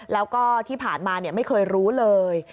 แล้วก็ที่ผ่านมาไม่เคยรู้เลย